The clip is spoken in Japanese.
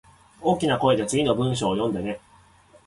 大きな声で次の文章を読んでね